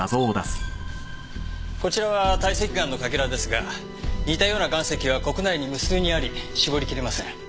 こちらは堆積岩のかけらですが似たような岩石は国内に無数にあり絞りきれません。